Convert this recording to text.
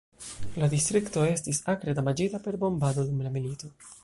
La distrikto estis akre damaĝita per bombado dum la milito.